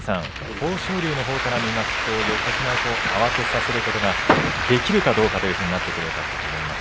豊昇龍のほうから見ますと横綱を慌てさせることができるかどうかというところだと思います。